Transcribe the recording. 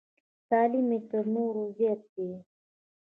تعلیم یې تر نورو زیات دی.